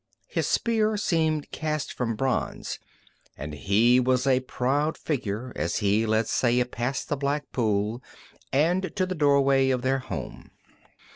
His spear seemed cast from bronze, and he was a proud figure as he led Saya past the black pool and to the doorway of their home.